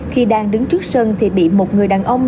khi đang đứng trước sân thì bị một người đàn ông